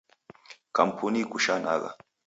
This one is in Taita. Kampuni ikushanagha.